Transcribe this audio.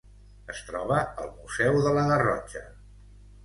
Es troba al Museu de la Garrotxa.